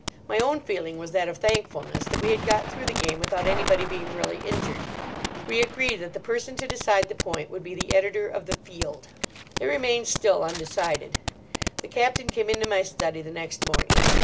My own feeling was that of thankfulness that we had got through the game without anybody being really injured. We agreed that the person to decide the point would be the editor of The Field. It remains still undecided. The Captain came into my study the next morning.